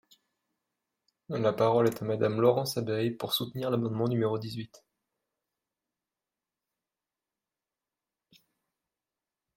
La parole est à Madame Laurence Abeille, pour soutenir l’amendement numéro dix-huit.